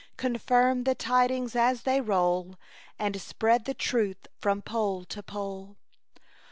Confirm the tidings as they roll, And spread the truth from pole to pole.